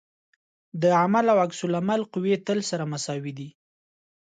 د عمل او عکس العمل قوې تل سره مساوي دي.